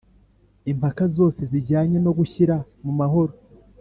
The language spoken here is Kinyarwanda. Impaka zose zijyanye no gushyira mumahoro